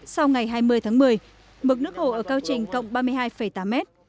sau ngày hai mươi tháng một mươi mực nước hồ ở cao trình cộng ba mươi hai tám mét